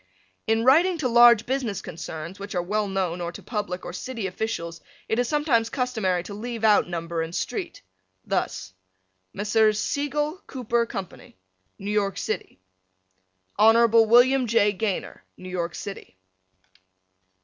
In writing to large business concerns which are well known or to public or city officials it is sometimes customary to leave out number and street. Thus, Messrs. Seigel, Cooper Co., New York City, Hon. William J. Gaynor, New York City.